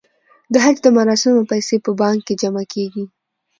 د حج د مراسمو پیسې په بانک کې جمع کیږي.